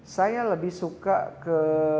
saya lebih suka ke